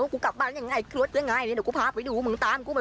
เห็นน้องจ้าแล้วใส่ชุดอวกาศไปแล้ว